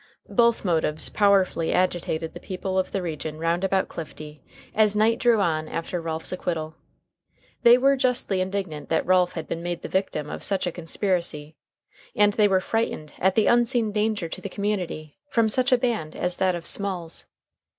Both motives powerfully agitated the people of the region round about Clifty as night drew on after Ralph's acquittal. They were justly indignant that Ralph had been made the victim of such a conspiracy, and they were frightened at the unseen danger to the community from such a band as that of Small's.